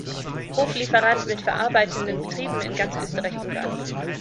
Hoflieferant mit verarbeitenden Betrieben in ganz Österreich-Ungarn.